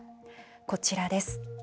こちらです。